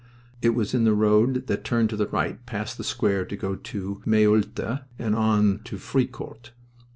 It was in the road that turned to the right, past the square to go to Meaulte and on to Fricourt.